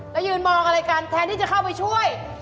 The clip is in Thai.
แล้วยืนมองอะไรกันแทนที่จะเข้าไปช่วย